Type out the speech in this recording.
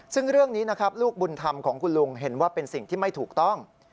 ซึ่งเรื่องนี้นะครับลูกบุญธรรมของคุณลุงเห็นว่าเป็นสิ่งที่ไม่ถูกต้อง